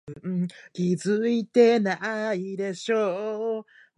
仕上げました